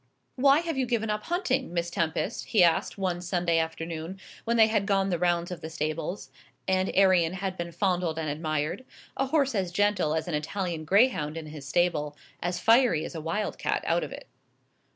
"Why have you given up hunting, Miss Tempest?" he asked one Sunday afternoon, when they had gone the round of the stables, and Arion had been fondled and admired a horse as gentle as an Italian greyhound in his stable, as fiery as a wild cat out of it.